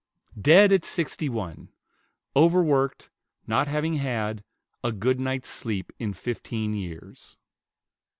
Dead at sixty one! Overworked, not having had "a good night's sleep in fifteen years!"